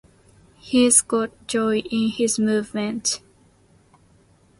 He's got joy in his movement.